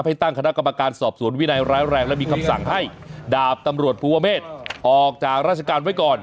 ให้ตั้งคณะกรรมการสอบสวนวินัยร้ายแรงและมีคำสั่งให้ดาบตำรวจภูวเมฆออกจากราชการไว้ก่อน